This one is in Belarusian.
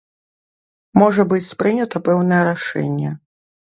Можа быць прынята пэўнае рашэнне.